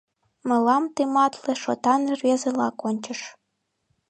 Мылам тыматле, шотан рвезыла кончыш.